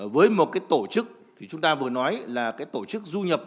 với một tổ chức chúng ta vừa nói là tổ chức du nhập